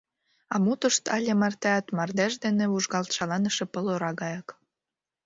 А мутышт але мартеат мардеж дене вужгалт шаланыше пыл ора гаяк.